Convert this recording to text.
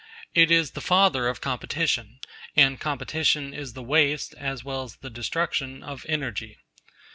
It is the father of competition, and competition is the waste, as well as the destruction, of energy.